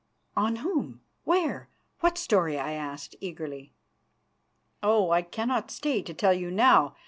"On whom? Where? What story?" I asked eagerly. "Oh! I cannot stay to tell you now.